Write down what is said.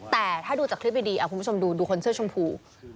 แต่ถ้าดูจากคลิปดีคุณผู้ชมดูดูคนเสื้อชมพู